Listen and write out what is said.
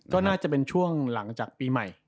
ก็น่าจะเป็นช่วงหลังจากปีใหม่